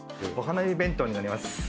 お花見弁当になります。